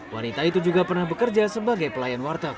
wanita itu juga pernah bekerja sebagai pelayan warteg